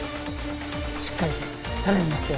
しっかりと頼みますよ